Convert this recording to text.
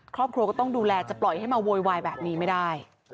ครอบครัวก็ต้องดูแลจะปล่อยให้มาโวยวายแบบนี้ไม่ได้